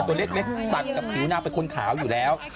ตัวเล็กตัดกับผิวนางเป็นคนขาวอยู่แล้ว